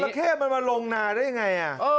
ไม่ถึงว่าเจ้าระเข้มันมาลงนาได้ยังไง